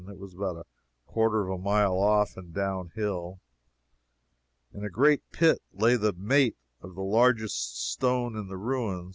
It was about a quarter of a mile off, and down hill. In a great pit lay the mate of the largest stone in the ruins.